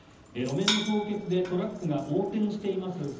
路面の凍結でトラックが横転しています